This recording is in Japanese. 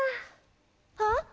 あっ！